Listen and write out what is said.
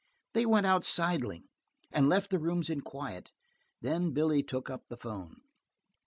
They went out sidling, and left the rooms in quiet. Then Billy took up the phone.